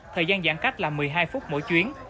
thời gian giãn cách là một mươi hai phút mỗi chuyến